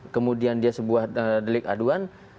kemudian dia sebuah delik aduan